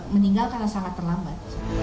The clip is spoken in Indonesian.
meninggal karena sangat terlambat